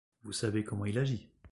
Vous savez comment il agit.